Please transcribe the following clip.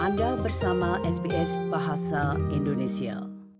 anda bersama sbs bahasa indonesia